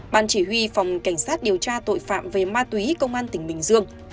ban chỉ huy phòng cảnh sát điều tra tội phạm về ma túy công an tỉnh bình dương